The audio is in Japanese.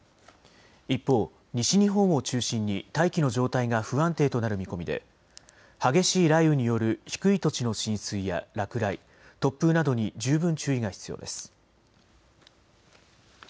一方、西日本を中心に大気の状態が不安定となる見込みで激しい雷雨による低い土地の浸水や落雷、突風などに十分注意が必要です。